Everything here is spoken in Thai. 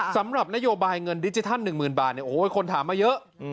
สำหรับนโยบายเงินดิจิทัล๑๐๐๐บาทคนถามมาเยอะ